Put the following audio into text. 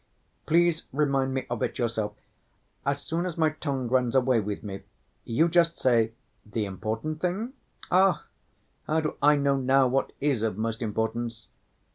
Please remind me of it yourself. As soon as my tongue runs away with me, you just say 'the important thing?' Ach! how do I know now what is of most importance?